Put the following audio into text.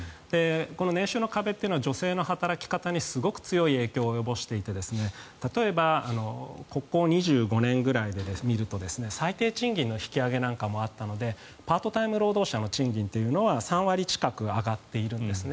年収の壁というのは女性の働き方にすごく強い影響を及ぼしていて例えばここ２５年ぐらいで見ると最低賃金の引き上げなんかもあったのでパートタイム労働者の賃金は３割近く上がっているんですね。